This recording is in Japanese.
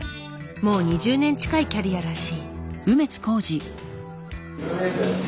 もう２０年近いキャリアらしい。